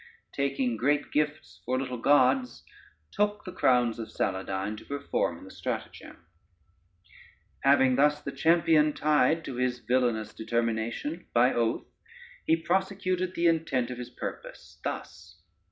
_ taking great gifts for little gods, took the crowns of Saladyne to perform the stratagem. [Footnote 1: toad.] [Footnote 2: met.] Having thus the champion tied to his villainous determination by oath, he prosecuted the intent of his purpose thus.